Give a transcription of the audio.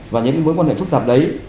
và những mối quan hệ phức tạp là